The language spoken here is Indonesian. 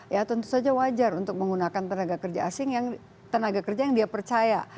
ya tentu saja wajar untuk menggunakan tenaga kerja asing tenaga kerja yang dia percaya